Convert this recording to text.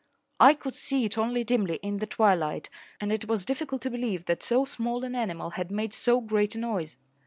I could see it only dimly in the twilight, and it was difficult to believe that so small an animal had made so great a noise.